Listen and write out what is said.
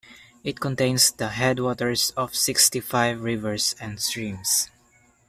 It contains the headwaters of sixty-five rivers and streams.